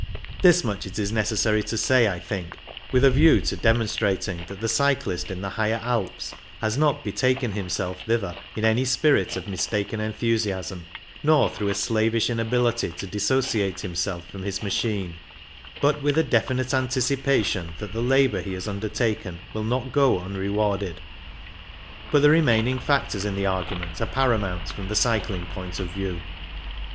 This much it is necessary to say, I think, INTRODUCTORY 5 with a view to demonstrating that the cyclist in the Higher Alps has not betaken himself thither in any spirit of mistaken enthusiasm, nor through a slavish inability to dissociate himself from his machine, but with a definite anticipation that the labour he has undertaken will not go unrewarded. But the remaining factors in the argument are paramount from the cycling point of view.